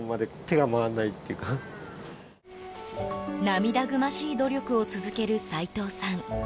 涙ぐましい努力を続ける齋藤さん。